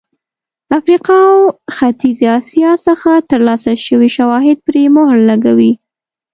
افریقا او ختیځې اسیا څخه ترلاسه شوي شواهد پرې مهر لګوي.